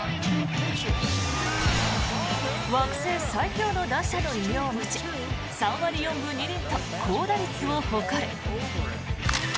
惑星最強の打者の異名を持ち３割４分２厘と高打率を誇る。